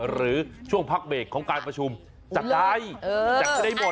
หรือช่วงพักเบรกของการประชุมจัดใดจัดก็ได้หมด